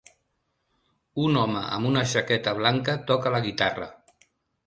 Un home amb una jaqueta blanca toca la guitarra.